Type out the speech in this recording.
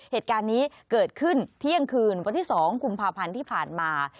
เหตุการณ์นี้เกิดขึ้นเที่ยงคืนวันที่๒กุมภาพันธ์ที่ผ่านมา